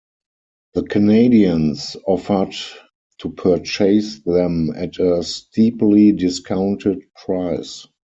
The Canadians offered to purchase them at a steeply discounted price.